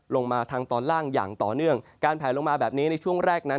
ลงมาทางตอนล่างอย่างต่อเนื่องการแผลลงมาแบบนี้ในช่วงแรกนั้น